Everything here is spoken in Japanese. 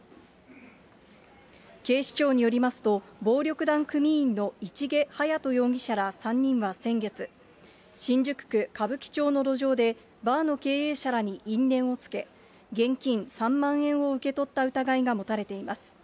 警視庁によりますと、暴力団組員の市毛勇人容疑者ら３人は先月、新宿区歌舞伎町の路上で、バーの経営者らに因縁をつけ、現金３万円を受け取った疑いが持たれています。